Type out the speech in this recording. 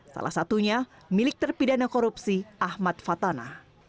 salah satunya milik terpidana korupsi ahmad fatana